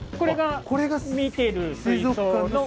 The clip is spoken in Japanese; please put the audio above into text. これが見てる水槽の。